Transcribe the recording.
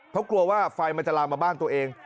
เพราะกลัวว่าไฟมันจะลามมาบ้านตัวเอง